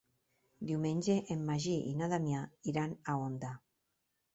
Diumenge en Magí i na Damià iran a Onda.